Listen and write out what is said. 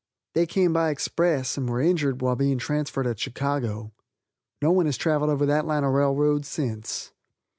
They came by express, and were injured while being transferred at Chicago. No one has travelled over that line of railroad since.